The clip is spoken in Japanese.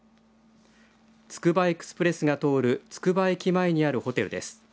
つくばエクスプレスが通るつくば駅前にあるホテルです。